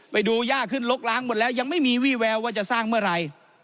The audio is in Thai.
ไปดูยากขึ้นลกล้างหมดแล้วยังไม่มีวี่แววว่าจะสร้างเมื่อไหร่